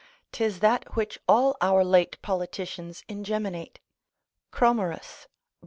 'Tis that which all our late politicians ingeminate. Cromerus, l.